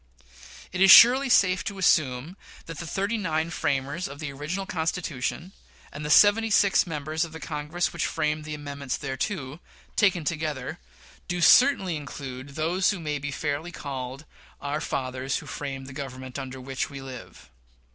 It is surely safe to assume that the thirty nine framers of the original Constitution, and the seventy six members of the Congress which framed the amendments thereto, taken together, do certainly include those who may be fairly called "our fathers who framed the Government under which we live."